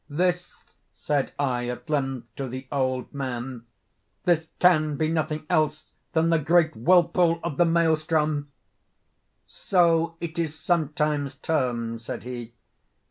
"This," said I at length, to the old man—"this can be nothing else than the great whirlpool of the Maelström." "So it is sometimes termed," said he.